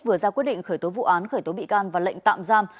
vừa ra quyết định khởi tố vụ án khởi tố bị can và lệnh tạm giam